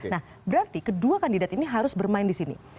nah berarti kedua kandidat ini harus bermain di sini